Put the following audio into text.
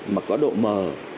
mà có độ mờ